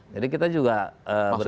jadi kita juga berpikir